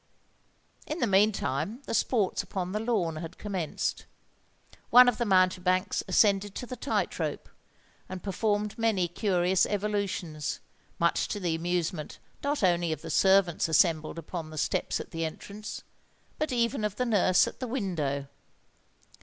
In the meantime the sports upon the lawn had commenced. One of the mountebanks ascended to the tightrope, and performed many curious evolutions, much to the amusement not only of the servants assembled upon the steps at the entrance, but even of the nurse at the window.